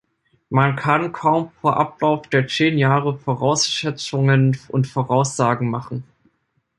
Man kann kaum vor Ablauf der zehn Jahre Vorausschätzungen und Voraussagen machen.